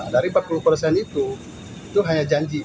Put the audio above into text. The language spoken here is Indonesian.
dari empat puluh persen itu itu hanya janji